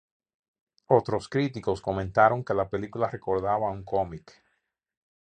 Otros críticos comentaron que la película recordaba a un cómic.